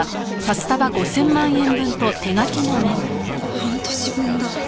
「半年分だ。